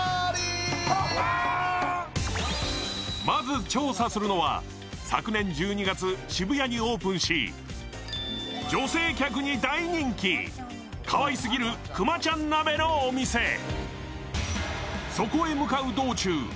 まず、調査するのは昨年１２月渋谷にオープンし、女性客に大人気、かわいすぎるくまちゃん鍋のお店。